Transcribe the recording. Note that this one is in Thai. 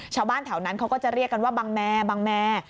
ชาวบ้านแถวนั้นเขาก็จะเรียกกันว่าบังแมบังแมร์